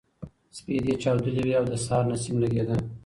سپېدې چاودلې وې او د سهار نسیم لګېده.